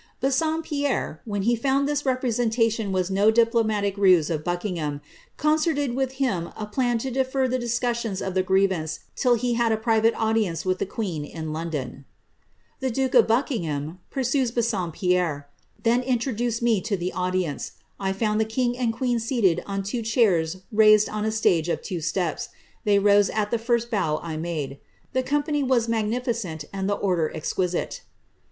Bassompierre, when he found this representation was no diplomatic rtue of Buckingham, concerted with him a plan to defer the discussion of the grieTanee till be had a private audience with the queen, in London. ^ The duke of Buckingham," pursues Bassompierre, ^ then introduced me to the audience. I found the king and queen seated on two chairs raised on a stage of two steps. They rose at the first bow I made. Tht company was magnificent^ and the order exquisite."